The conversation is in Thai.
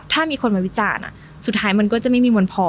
ถ้ามีคนมาวิจารณ์สุดท้ายมันก็จะไม่มีวันพอ